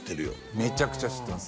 めちゃくちゃ知ってます